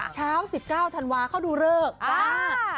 เช้า๑๙ธันวาเขาดูเลิกจ้า